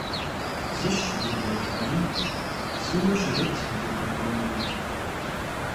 Зыщ ди блэкӀари, зыуэ щрет ди къэкӀуэнури.